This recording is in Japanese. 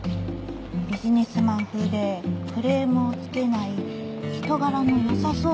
ビジネスマン風でクレームをつけない人柄の良さそうな人。